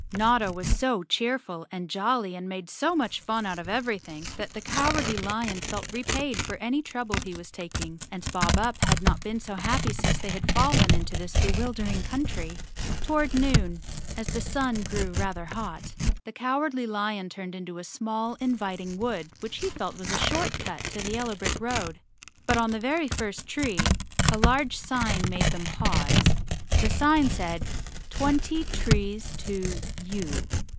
Notta was so cheerful and jolly and made so much fun out of everything that the Cowardly Lion felt repaid for any trouble he was taking and Bob Up had not been so happy since they had fallen into this 124 Chapter Nine bewildering country. Toward noon, as the sun grew rather hot, the Cowardly Lion turned into a small inviting wood which he felt was a short cut to the yellow brick road. But on the very first tree, a large sign made them pause. The sign said, "Twenty trees to U."